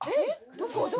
どこ？